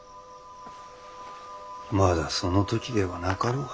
まだその時ではなかろうが。